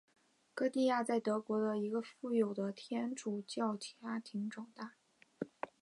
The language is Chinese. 歌地亚在德国的一个富有的天主教家庭长大。